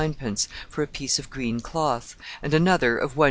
_ for a piece of green cloth, and another of 1_s.